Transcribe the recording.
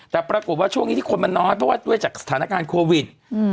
แต่ปรากฏว่าช่วงนี้ที่คนมันน้อยเพราะว่าด้วยจากสถานการณ์โควิด